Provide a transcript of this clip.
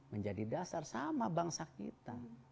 menjadi dasar sama bangsa kita